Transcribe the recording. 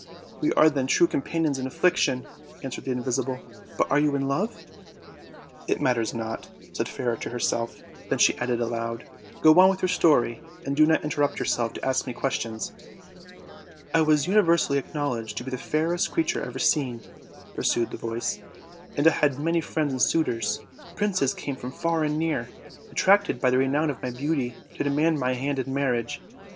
"We are then true companions in affliction," answered the invisible. "But you are irr love?" "It matters not," said Fairer to herself; then she added aloud: "Go on with your story, and do not inter rupt yourself to ask me questions." "I was universally acknowledged to be the faarest creature ever seen," pursued the voice, "and I had many friends and suitors; princes came from far and near, at tracted by the renown of my beauty, to demand my hand in marriage.